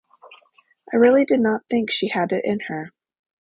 I really did not think she had it in her.